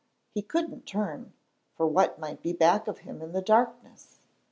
He couldn't turn, for what might be back of him in the darkness?